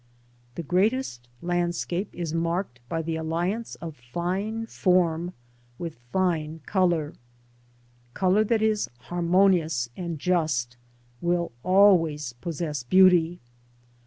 ^/ The greatest landscape is marked by the alliance of fine form / with fine colour. Colour that is harmonious and just will always possess beauty.